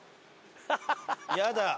やだ！